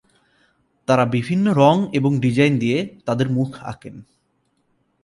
তারা বিভিন্ন রঙ এবং ডিজাইন দিয়ে তাদের মুখ আঁকেন।